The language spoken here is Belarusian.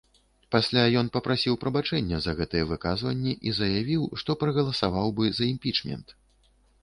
Пасля ён папрасіў прабачэння за гэтыя выказванні і заявіў, што прагаласаваў бы за імпічмент.